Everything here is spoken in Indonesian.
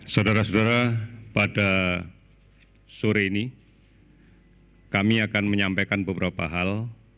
saudara saudara pada sore ini kami akan menyampaikan beberapa hal